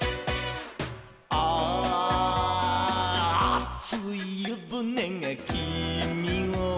「あついゆぶねがきみを」